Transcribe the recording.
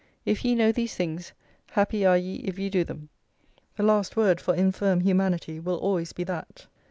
"If ye know these things, happy are ye if ye do them!" the last word for infirm humanity will always be that.